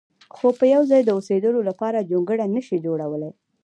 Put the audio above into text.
خو په یو ځای د اوسېدلو لپاره جونګړه نه شي جوړولی.